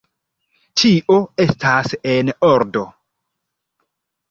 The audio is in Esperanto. Ĉio estas en ordo!